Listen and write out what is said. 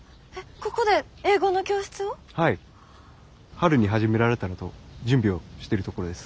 春に始められたらと準備をしてるところです。